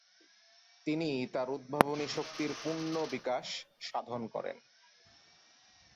তিনি তার উদ্ভাবনী শক্তির পূর্ন বিকাশ সাধন করেন।